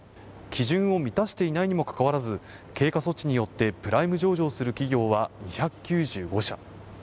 基準を満たしていないにもかかわらず経過措置によってプライム上場する企業は２９５社。